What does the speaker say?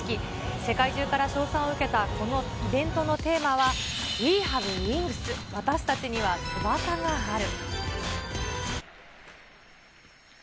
世界中から称賛を受けたこのイベントのテーマは、ＷＥＨＡＶＥＷＩＮＧＳ・私たちには翼がある。